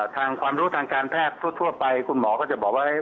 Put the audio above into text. ความรู้ทางการแพทย์ทั่วไปคุณหมอก็จะบอกว่า